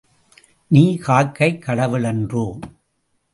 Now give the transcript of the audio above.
நீ காக்கைக் கடவுளன்றோ!